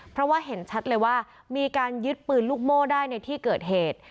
เพราะว่าเห็นชัดเลยว่ามีการยึดปืนลูกโม่ได้ในที่เกิดเหตุ